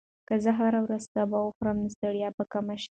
که زه هره ورځ سبو وخورم، نو ستړیا به کمه شي.